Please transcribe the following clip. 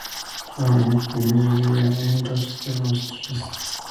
La familia Cummins residía en Dorchester, Massachusetts.